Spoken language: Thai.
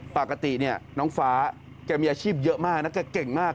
ปกติเนี่ยน้องฟ้าแกมีอาชีพเยอะมากนะแกเก่งมาก